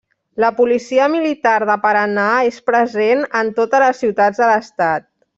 La Policia Militar de Paraná és present en totes les ciutats de l'Estat.